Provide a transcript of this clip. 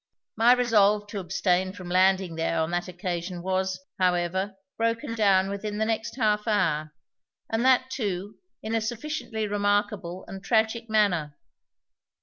My resolve to abstain from landing there on that occasion was, however, broken down within the next half hour, and that, too, in a sufficiently remarkable and tragic manner.